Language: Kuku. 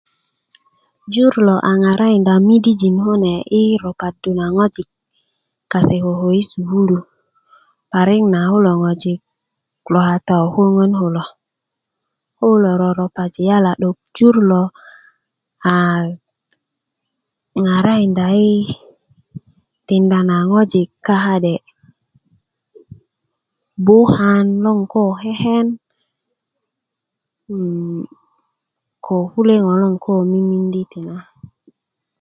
jur lo a ŋarakinda midijik kune i ropadu na kase ŋojik koko i sukulu parik na kulo ŋojik lo kata ko koŋön kulo ko kulo roropaji yala 'dok jur lo a ŋarakinda ŋojik i tikinda na ŋo ka ka'de bukan naŋ ko keken ko kule ŋo loŋ ko mimindi ti na